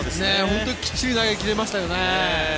本当にきっちり投げ切りましたよね。